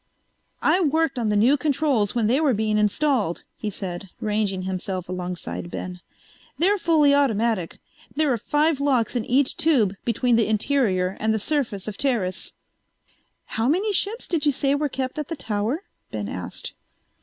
"I worked on the new controls when they were being installed," he said, ranging himself alongside Ben. "They're fully automatic. There are five locks in each tube between the interior and the surface of Teris." "How many ships did you say were kept at the tower?" Ben asked.